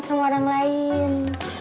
sama orang lain